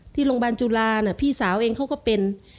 ที่โรงพยาบาลจุฬาพี่สาวเองเขาก็เป็น